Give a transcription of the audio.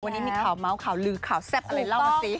วันนี้มีข่าวเมาส์ข่าวลือข่าวแซ่บอะไรเล่ามาสิ